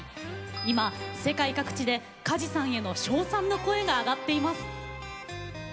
今世界各地で梶さんへの称賛の声が上がっています。